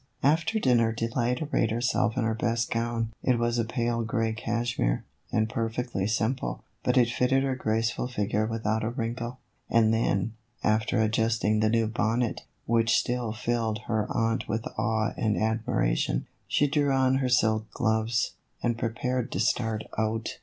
After dinner Delight arrayed herself in her best gown (it was a pale gray cashmere, and perfectly simple, but it fitted her graceful figure without a wrinkle), and then, after adjusting the new bonnet, which still filled her aunt with awe and admiration, she drew on her silk gloves, and prepared to start out.